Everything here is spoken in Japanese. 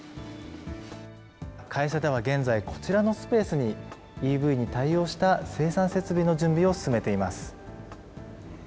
会社では現在、こちらのスペースにＥＶに対応した生産設備の準備を進めています。